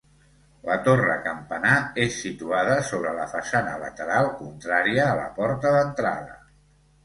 La torre campanar és situada sobre la façana lateral contrària a la porta d'entrada.